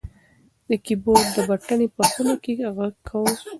د کیبورډ بټنې په خونه کې غږ کاوه.